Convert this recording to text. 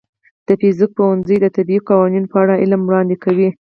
د فزیک پوهنځی د طبیعي قوانینو په اړه علم وړاندې کوي.